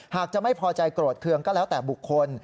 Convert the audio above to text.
หากจะไม่พอใจโกรธเครื่องก็แล้วแต่บุคคล